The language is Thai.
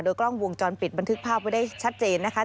กล้องวงจรปิดบันทึกภาพไว้ได้ชัดเจนนะคะ